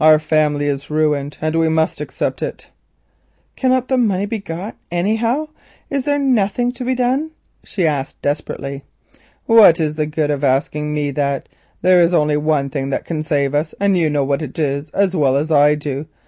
Our family is ruined, and we must accept it." "Cannot the money be got anyhow? Is there nothing to be done?" she said in despair. "What is the good of asking me that? There is only one thing that can save us, and you know what it is as well as I do.